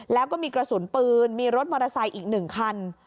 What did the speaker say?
แล้วก็มีกระสุนปืนมีรถมอเตอร์ไซค์อีก๑คัน